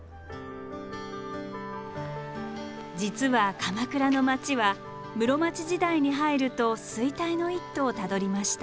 実は鎌倉の町は室町時代に入ると衰退の一途をたどりました。